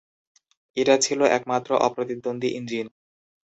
এটা ছিল একমাত্র অপ্রতিদ্বন্দ্বী ইঞ্জিন।